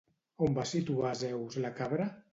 On va situar Zeus la cabra?